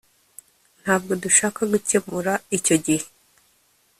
ntabwo dushaka gukemura icyo gihe